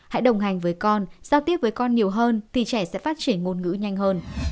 hãy đồng hành với con giao tiếp với con nhiều hơn thì trẻ sẽ phát triển ngôn ngữ nhanh hơn